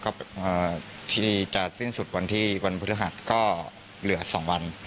ก็ที่นี่จะสิ้นสุดวันที่วันพฤหัสก็เหลือ๒วัน